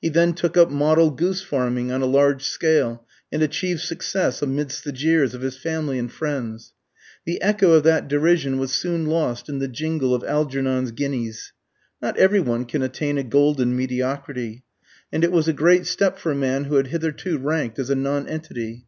He then took up model goose farming on a large scale, and achieved success amidst the jeers of his family and friends. The echo of that derision was soon lost in the jingle of Algernon's guineas. Not every one can attain a golden mediocrity; and it was a great step for a man who had hitherto ranked as a nonentity.